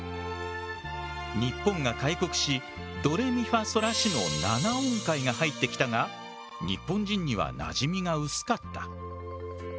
日本が開国しドレミファソラシの７音階が入ってきたが日本人にはなじみが薄かった。